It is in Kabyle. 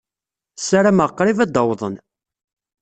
Ssarameɣ qrib ad d-awḍen.